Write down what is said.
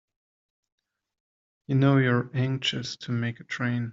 I know you're anxious to make a train.